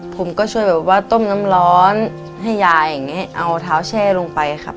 ผมก็ช่วยแบบว่าต้มน้ำร้อนให้ยายอย่างนี้เอาเท้าแช่ลงไปครับ